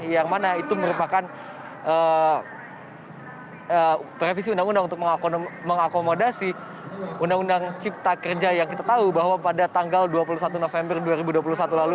yang mana itu merupakan revisi undang undang untuk mengakomodasi undang undang cipta kerja yang kita tahu bahwa pada tanggal dua puluh satu november dua ribu dua puluh satu lalu